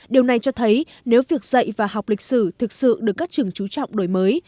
điều này cho thấy nếu việc dạy và học lịch sử thực sự được các trường trú trọng đổi mới